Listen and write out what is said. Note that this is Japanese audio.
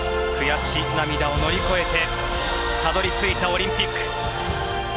悔し涙を乗り越えてたどり着いたオリンピック。